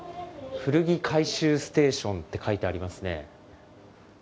古着回収ステーションって書いてありますね。